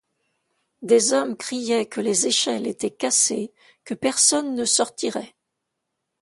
Des hommes criaient que les échelles étaient cassées, que personne ne sortirait.